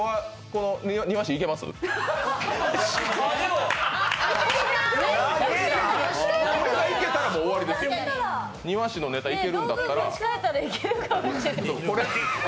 これがいけたら終わりですよ、「庭師」のネタいけるんだったら。